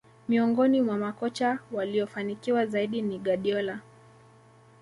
miongoni mwa makocha waliofanikiwa zaidi ni guardiola